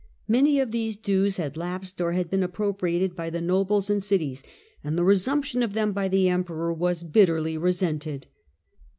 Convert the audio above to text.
Many of these dues had lapsed, or had been appropriated by the nobles and cities, and the resumption of them by the Emperor was bitterly resented.